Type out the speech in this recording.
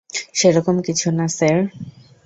সেরকম কিছু না, স্যার।